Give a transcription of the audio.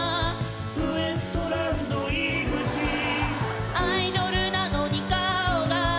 「ウエストランド井口」「アイドルなのに顔が」